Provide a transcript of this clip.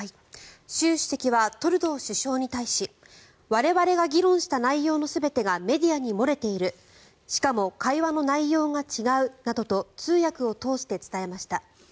習主席はトルドー首相に対し我々が議論した内容の全てがメディアに漏れているしかも会話の内容が違うなどと通訳を通して伝えました。